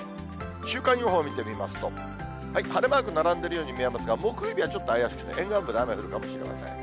週間予報見てみますと、晴れマーク並んでいるように見えますが、木曜日はちょっと怪しくて、沿岸部で雨降るかもしれません。